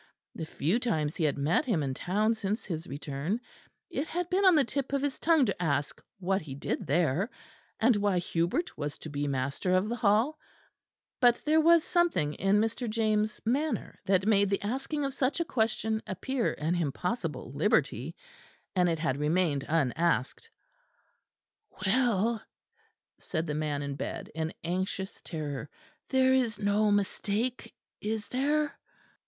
The few times he had met him in town since his return, it had been on the tip of his tongue to ask what he did there, and why Hubert was to be master of the Hall; but there was something in Mr. James' manner that made the asking of such a question appear an impossible liberty; and it had remained unasked. "Well," said the man in bed, in anxious terror, "there is no mistake, is there?"